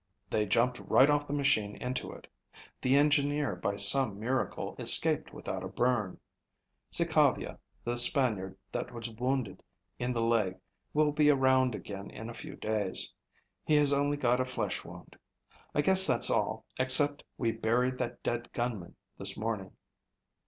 They jumped right off the machine into it. The engineer by some miracle escaped without a burn. Sicavia, the Spaniard that was wounded in the leg, will be around again in a few days. He has only got a flesh wound. I guess that's all, except we buried that dead gunman this morning."